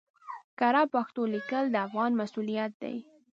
کره پښتو ليکل د افغان مسؤليت دی